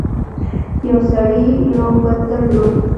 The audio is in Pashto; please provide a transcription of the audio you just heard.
یو سړي یو بت درلود.